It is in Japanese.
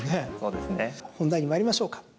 本題に参りましょうか。